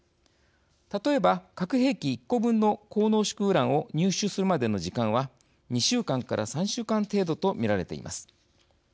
例えば、核兵器１個分の高濃縮ウランを入手するまでの時間は２週間から３週間程度と見られています。